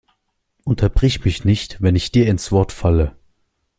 Unterbrich mich nicht, wenn ich dir ins Wort falle!